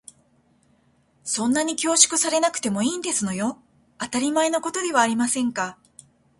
そんなに恐縮されなくてもいいんですのよ。当たり前のことではありませんか。